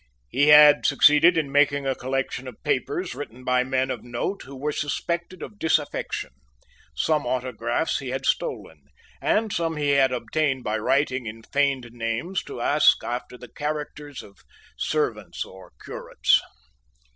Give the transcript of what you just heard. He had succeeded in making a collection of papers written by men of note who were suspected of disaffection. Some autographs he had stolen; and some he had obtained by writing in feigned names to ask after the characters of servants or curates.